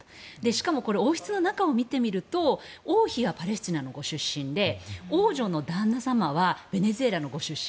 しかも王室の中を見てみると王妃はパレスチナのご出身で王女の旦那様はベネズエラのご出身。